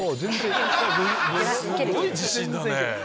すごい自信だね。